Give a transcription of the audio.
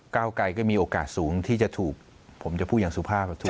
เก้าไกรก็มีโอกาสสูงที่จะถูกผมจะพูดอย่างสุภาพ